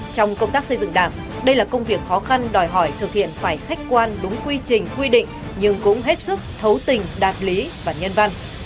trong công tác xây dựng đảng đây là công việc khó khăn đòi hỏi thực hiện phải khách quan đúng quy trình quy định nhưng cũng hết sức thấu tình đạt lý và nhân văn